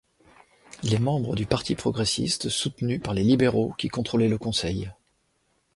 Il est membre du Parti progressiste soutenu par les libéraux qui contrôlait le conseil.